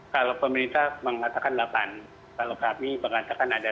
kalau pemerintah mengatakan delapan kalau kami mengatakan ada